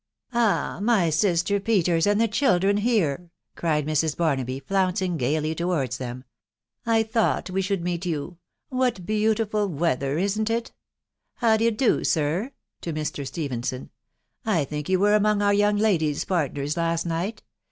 "Ah! my sister Peters and the children here!" cried Mrs. Barnaby, flouncing gaily towards them "I thought we should meet you. ... What beautiful weather, isn't it ? How d'ye do, sir? (to Mr. Stephenson.) I think you were among our young ladies' partners last night